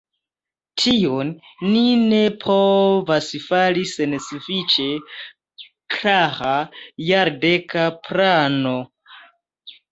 Tion ni ne povas fari sen sufiĉe klara jardeka plano.